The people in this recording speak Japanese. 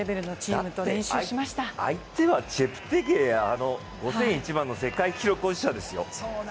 だって、相手はチェプテゲイや５０００、１００００の世界記録保持者ですよ。